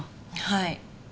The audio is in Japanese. はい。